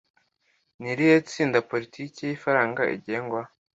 Ni irihe tsinda politiki y'ifaranga igengwa